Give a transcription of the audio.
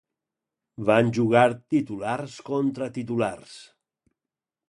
Van jugar titulars contra titulars.